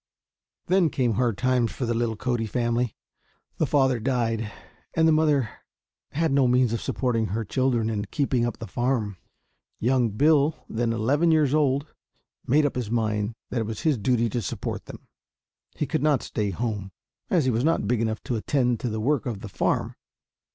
Then came hard times for the little Cody family. The father died, and the mother had no means of supporting her children and keeping up the farm. Young Bill, then eleven years old, made up his mind that it was his duty to support them. He could not stay at home, as he was not big enough to attend to the work of the farm.